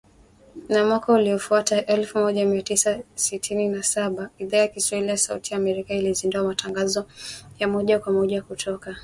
Na mwaka uliofuata, elfu moja mia tisa sitini na saba, Idhaa ya Kiswahili ya Sauti ya Amerika ilizindua matangazo ya moja kwa moja kutoka studio zake.